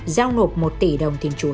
giao nộp một tỷ đồng tiền chùa